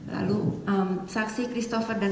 lalu saksi christopher dan